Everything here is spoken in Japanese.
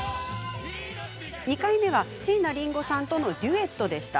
２回目は、椎名林檎さんとのデュエットでした。